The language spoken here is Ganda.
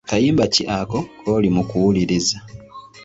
Kayimba ki ako kooli mu kuwuliriza?